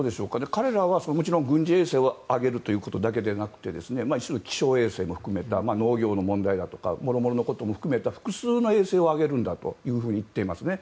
彼らは軍事衛星を上げるということではなくて気象衛星も含めて農業の問題とかいろいろの問題を含めた複数の衛星を上げるんだというふうに言っていますね。